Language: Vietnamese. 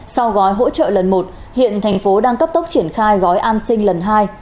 sau gói hỗ trợ lần một hiện thành phố đang cấp tốc triển khai gói an sinh lần hai